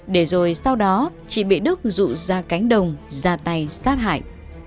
để rồi sau đó chị bị đức rụ ra cánh đồng ra tay sát hại